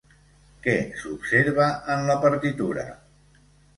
Què s'observa en la partitura?